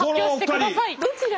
どちらが？